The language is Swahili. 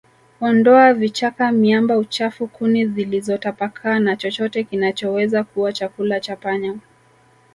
Ondoa vichaka miamba uchafu kuni zilizotapakaa na chochote kinachoweza kuwa chakula cha panya